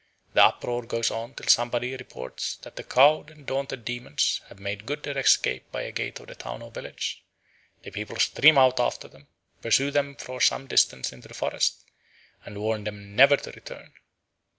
The uproar goes on till somebody reports that the cowed and daunted demons have made good their escape by a gate of the town or village; the people stream out after them, pursue them for some distance into the forest, and warn them never to return.